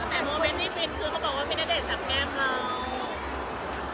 แต่โมเมนท์ที่เป็นคือเขาบอกว่ามินาเดชน์จำแก้มเรา